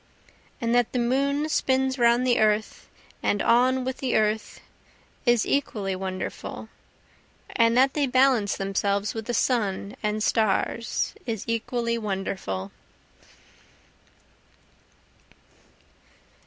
And that the moon spins round the earth and on with the earth, is equally wonderful, And that they balance themselves with the sun and stars is equally wonderful.